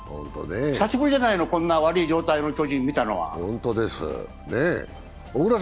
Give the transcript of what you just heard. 久しぶりじゃないの、こんな悪い状態の巨人を見たのは。